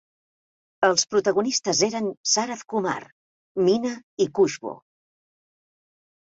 Els protagonistes eren Sarath Kumar, Meena i Kushboo.